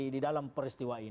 di dalam peristiwa ini